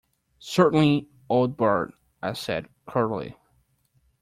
"Certainly, old bird," I said cordially.